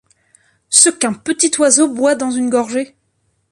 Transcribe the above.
Ce qu’un petit oiseau boit dans une gorgée !